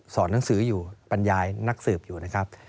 หนังสืออยู่บรรยายนักสืบอยู่นะครับ